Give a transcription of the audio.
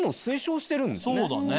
そうだね。